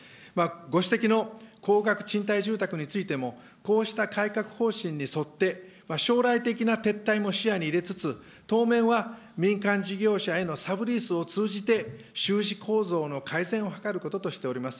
ご指摘の高額賃貸住宅についても、こうした改革方針に沿って、将来的な撤退も視野に入れつつ当面は、民間事業者へのサブリースを通じて収支構造の改善を図ることとしております。